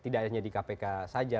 tidak hanya di kpk saja